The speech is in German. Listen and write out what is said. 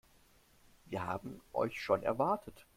Wir haben euch schon erwartet.